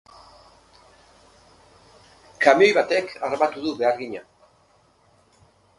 Kamioi batek harrapatu du behargina.